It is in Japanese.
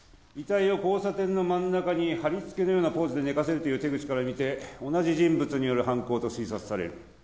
遺体を交差点の真ん中にはりつけのようなポーズで寝かせるという手口から見て同じ人物による犯行と推察される。